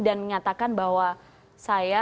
dan menyatakan bahwa saya